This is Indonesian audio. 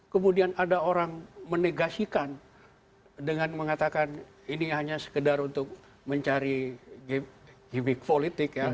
kemudian ada orang menegasikan dengan mengatakan ini hanya sekedar untuk mencari givik politik ya